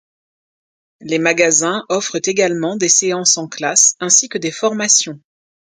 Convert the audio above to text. Les magasins offrent également des séances en classe ainsi que des formations.